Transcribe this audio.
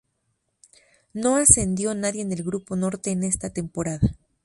No ascendió nadie del grupo Norte en esa temporada.